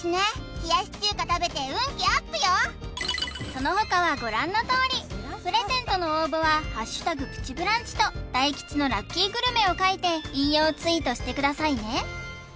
冷やし中華食べて運気アップよそのほかはご覧のとおりプレゼントの応募は「＃プチブランチ」と大吉のラッキーグルメを書いて引用ツイートしてくださいね